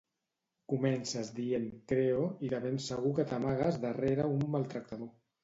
Comences dient "creo" i de ben segur que t'amagues darrere un maltractador.